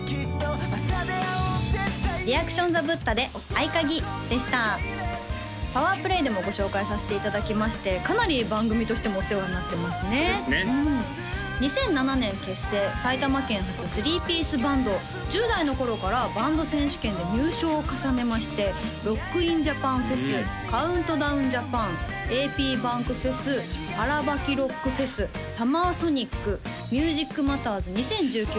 バイバーイパワープレイでもご紹介させていただきましてかなり番組としてもお世話になってますね２００７年結成埼玉県発３ピースバンド１０代の頃からバンド選手権で入賞を重ねましてＲＯＣＫＩＮＪＡＰＡＮＦＥＳ．ＣＯＵＮＴＤＯＷＮＪＡＰＡＮａｐｂａｎｋｆｅｓＡＲＡＢＡＫＩＲＯＣＫＦＥＳＴ．ＳＵＭＭＥＲＳＯＮＩＣＭｕｓｉｃＭａｔｔｅｒｓ２０１９